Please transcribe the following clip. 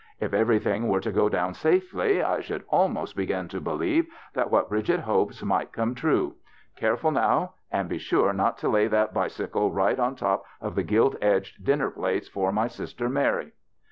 If everything were to go down safely I should almost begin to believe that what Bridget hopes might come true. Careful now, and be sure not to lay that bicycle right on top of the gilt edged dinner plates for my sister Mary."